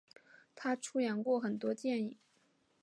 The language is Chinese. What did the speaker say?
她出演过很多电影。